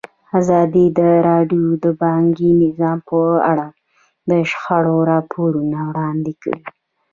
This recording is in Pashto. ازادي راډیو د بانکي نظام په اړه د شخړو راپورونه وړاندې کړي.